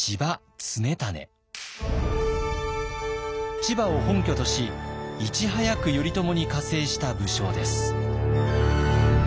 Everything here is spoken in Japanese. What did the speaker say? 千葉を本拠としいち早く頼朝に加勢した武将です。